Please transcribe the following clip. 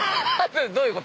どういうこと？